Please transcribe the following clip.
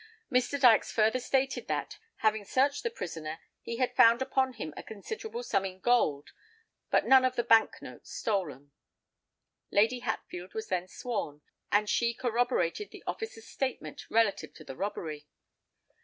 Mr. Dykes further stated that, having searched the prisoner, he had found upon him a considerable sum in gold; but none of the Bank notes stolen. Lady Hatfield was then sworn, and she corroborated the officer's statement relative to the robbery.